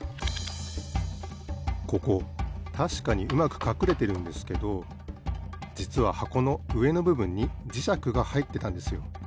ここたしかにうまくかくれてるんですけどじつははこのうえのぶぶんにじしゃくがはいってたんですよ。